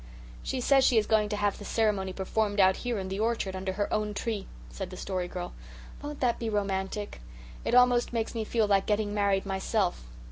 "She says she is going to have the ceremony performed out here in the orchard under her own tree," said the Story Girl. "Won't that be romantic? It almost makes me feel like getting married myself."